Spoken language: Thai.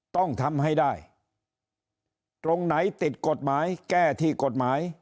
ต้องทำให้ได้ตรงไหนติดกฎหมายแก้ที่กฎหมาย